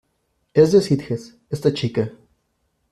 Es de Sitges, esta chica.